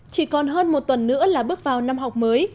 chỉ còn hơn một tuần nữa là bước vào năm học mới